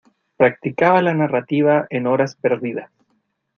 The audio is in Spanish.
Practicaba la narrativa en horas perdidas.